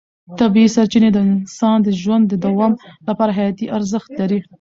طبیعي سرچینې د انسان د ژوند د دوام لپاره حیاتي ارزښت لري.